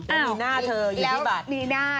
หน้ามีหน้าเธออยู่ที่บัตร